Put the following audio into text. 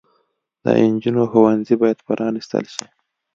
د انجونو ښوونځي بايد پرانستل شي